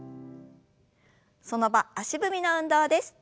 その場足踏みの運動です。